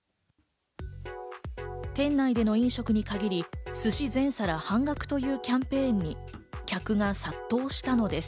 店内での飲食に限り寿司全皿半額というキャンペーンに客が殺到したのです。